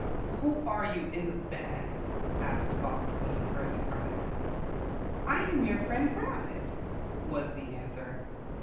"Who are you in the bag?" asked Fox when he heard the cries. "I am your friend Rabbit," was the answer.